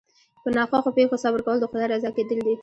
په ناخوښو پېښو صبر کول د خدای رضا کېدل دي.